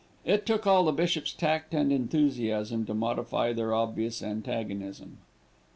It took all the bishop's tact and enthusiasm to modify their obvious antagonism.